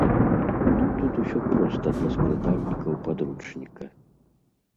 Ну, тут усё проста для складальнікаў падручніка.